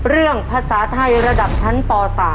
เรื่องภาษาไทยระดับทั้นป๓